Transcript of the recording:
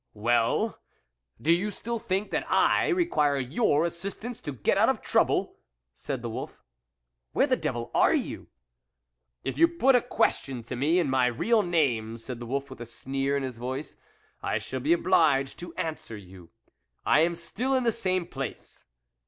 " Well, do you still think that I require your assistance to get out of trouble," said the wolf. " Where the devil are you? "" If you put a question to me in my real name," said the wolf with a sneer in THE WOLF LEADER his voice, " I shall be obliged to answer you. I am still in the same place."